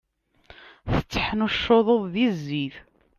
Tetteḥnuccuḍeḍ di zzit.